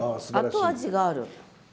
後味がある。